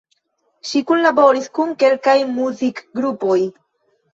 Ŝi kunlaboris kun kelkaj muzikgrupoj.